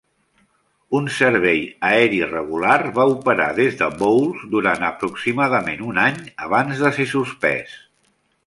Un servei aeri regular va operar des de Bowles durant aproximadament un any, abans de ser suspès.